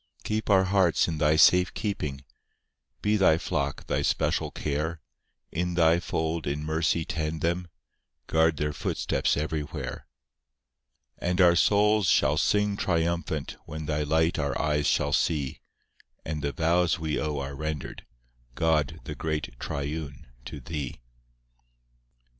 III Keep our hearts in Thy safe keeping, Be Thy flock Thy special care; In Thy fold in mercy tend them, Guard their footsteps everywhere. IV And our souls shall sing triumphant When Thy light our eyes shall see, And the vows we owe are rendered, God, the great Triune, to Thee.